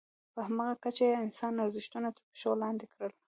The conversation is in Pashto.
په همغه کچه یې انساني ارزښتونه تر پښو لاندې کړل.